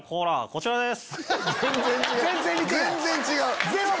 こちらです。